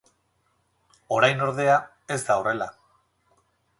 Orain ordea, ez da horrela.